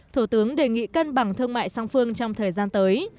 thủ tướng đề nghị cân bằng thương mại song phương trong thời gian tới